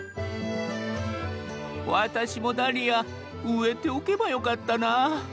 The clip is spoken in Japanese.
私もダリア植えておけばよかったなぁ。